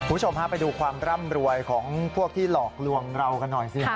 คุณผู้ชมฮะไปดูความร่ำรวยของพวกที่หลอกลวงเรากันหน่อยสิ